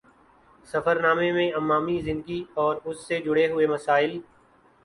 سفر نامے میں عوامی زندگی اور اُس سے جڑے ہوئے مسائل